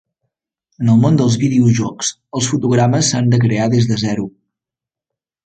En el món dels videojocs els fotogrames s'han de crear des de zero.